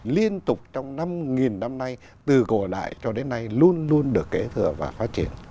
liên tục trong năm nghìn năm nay từ cổ đại cho đến nay luôn luôn được kể thừa và phát triển